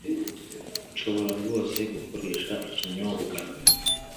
Nshobora rwose gukoresha ikinyobwa